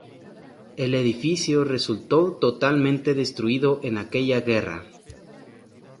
El edificio resultó totalmente destruido en aquella guerra.